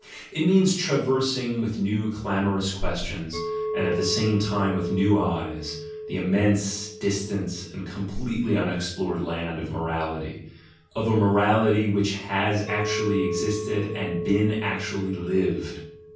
It means traversing with new clamorous questions, and at the same time with new eyes, the immense, distant, and completely unexplored land of morality — of a morality which has actually existed and been actually lived